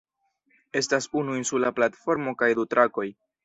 Estas unu insula platformo kaj du trakoj.